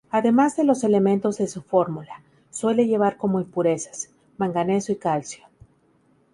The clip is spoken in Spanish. Además de los elementos de su fórmula, suele llevar como impurezas: manganeso y calcio.